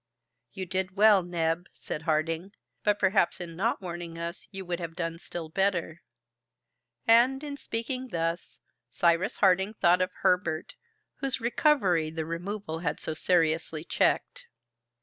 "You did well, Neb," said Harding, "but perhaps in not warning us you would have done still better!" And, in speaking thus, Cyrus Harding thought of Herbert, whose recovery the removal had so seriously checked.